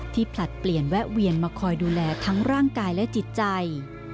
ผลัดเปลี่ยนแวะเวียนมาคอยดูแลทั้งร่างกายและจิตใจ